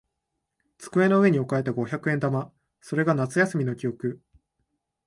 机の上に置かれた五百円玉。それが夏休みの記憶。